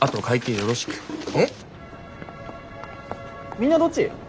みんなどっち？